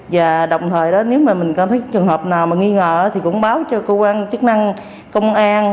và đồng thời nếu mình có thích trường hợp nào mà nghi ngờ thì cũng báo cho cơ quan chức năng công an